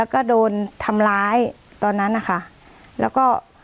ก็โดนทำร้ายตอนนั้นนะคะแล้วก็